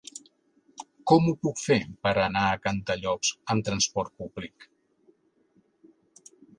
Com ho puc fer per anar a Cantallops amb trasport públic?